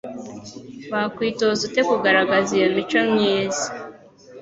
Wakwitoza ute kugaragaza iyo mico myiza